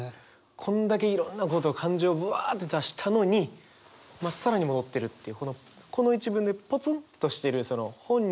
こんだけいろんなこと感情をブワッて出したのにまっさらに戻ってるっていうこの１文でポツンとしているその本人